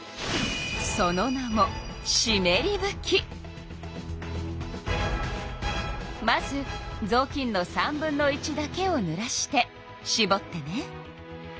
その名もまずぞうきんの３分の１だけをぬらしてしぼってね。